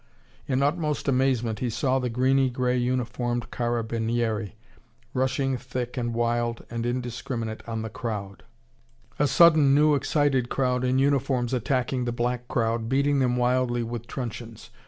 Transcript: In utmost amazement he saw the greeny grey uniformed carabinieri rushing thick and wild and indiscriminate on the crowd: a sudden new excited crowd in uniforms attacking the black crowd, beating them wildly with truncheons.